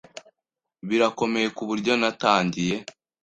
Birakomeye kuburyo natangiye